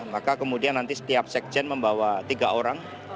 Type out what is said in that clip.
maka kemudian nanti setiap sekjen membawa tiga orang